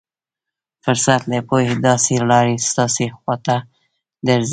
فرصت له يوې داسې لارې ستاسې خوا ته درځي.